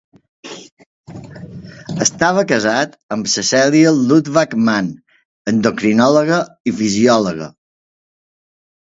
Estava casat amb Cecelia Lutwak-Mann, endocrinòloga i fisiòloga.